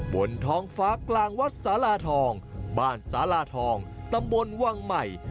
บนท้องฟ้ากลางวัดสาลาทองบ้านสาลาทองตำบลวังใหม่